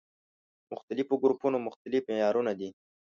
مختلفو ګروپونو مختلف معيارونه دي.